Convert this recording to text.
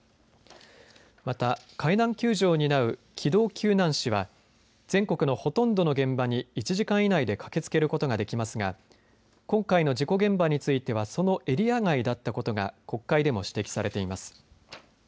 また海難救助を担う機動救難士は全国のほとんどの現場に１時間以内で駆けつけることができますが今回の事故現場についてはそのエリア外だったことが国会でも指摘されています。